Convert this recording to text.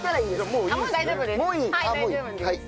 もう大丈夫です。